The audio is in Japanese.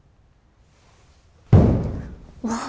うわっ。